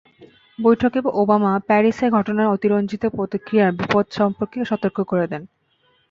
বৈঠকে ওবামা প্যারিসের ঘটনার অতিরঞ্জিত প্রতিক্রিয়ার বিপদ সম্পর্কেও সতর্ক করে দেন।